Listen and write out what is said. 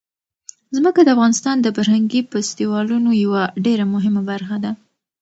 ځمکه د افغانستان د فرهنګي فستیوالونو یوه ډېره مهمه برخه ده.